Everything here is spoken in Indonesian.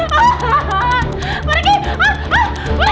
jangan nentu aku